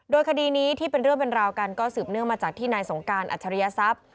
โดยคดีนี้ที่เป็นเรื่องเป็นราวกันก็สืบเนื่องมาจากที่นายสงการอัจฉริยทรัพย์